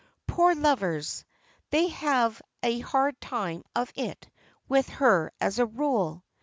Poor lovers! they have a hard time of it with her as a rule.